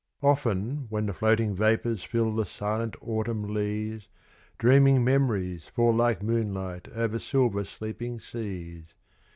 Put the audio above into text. Often when the floating vapours fill the silent autumn leas, Dreaming mem'ries fall like moonlight over silver sleeping seas.